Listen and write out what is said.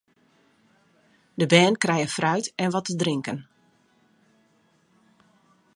De bern krije fruit en wat te drinken.